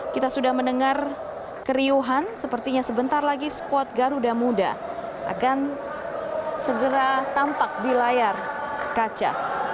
kita sudah mendengar keriuhan sepertinya sebentar lagi skuad garuda muda akan segera tampak di layar kaca